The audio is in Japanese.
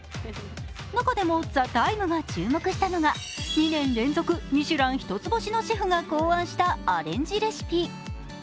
中でも「ＴＨＥＴＩＭＥ，」が注目したのが２年連続ミシュラン一つ星のシェフが考案したアレンジレシピ。